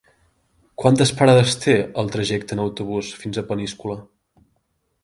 Quantes parades té el trajecte en autobús fins a Peníscola?